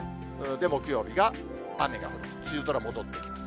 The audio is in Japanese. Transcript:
で、木曜日が雨が降る、梅雨空、戻ってきます。